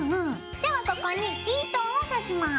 ではここにヒートンをさします。